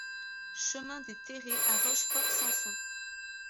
Chemin des Terrets à Rochefort-Samson